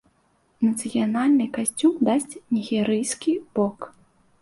Нацыянальны касцюм дасць нігерыйскі бок.